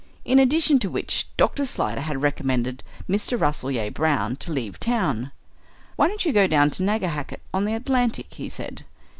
In addition to which Dr. Slyder had recommended Mr. Rasselyer Brown to leave town. "Why don't you go down to Nagahakett on the Atlantic?" he said.